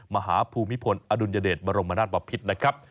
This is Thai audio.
มหาภูมิพลอดุลยเดชบรมนาฏประพิตร